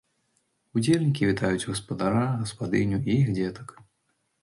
Удзельнікі вітаюць гаспадара, гаспадыню і іх дзетак.